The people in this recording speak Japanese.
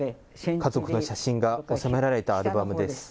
家族の写真が納められたアルバムです。